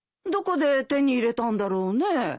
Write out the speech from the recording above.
どこで手に入れたんだろうね。